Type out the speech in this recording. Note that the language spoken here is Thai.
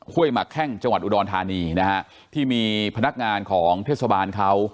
หมักแข้งจังหวัดอุดรธานีนะฮะที่มีพนักงานของเทศบาลเขา